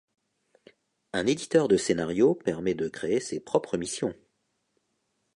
Un éditeur de scénarios permet de créer ses propres missions.